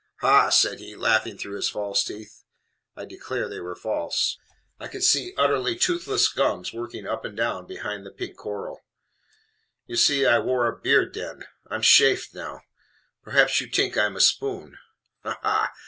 "Ha!" said he, laughing through his false teeth (I declare they were false I could see utterly toothless gums working up and down behind the pink coral), "you see I wore a beard den; I am shafed now; perhaps you tink I am A SPOON. Ha, ha!"